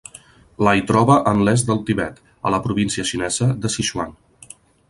La hi troba en l'est del Tibet, a la província xinesa de Sichuan.